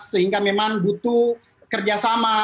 sehingga memang butuh kerjasama